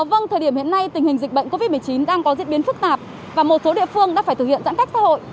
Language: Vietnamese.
vâng thời điểm hiện nay tình hình dịch bệnh covid một mươi chín đang có diễn biến phức tạp và một số địa phương đã phải thực hiện giãn cách xã hội